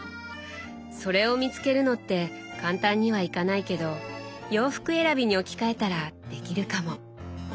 それを見つけるのって簡単にはいかないけど洋服選びに置き換えたらできるかも。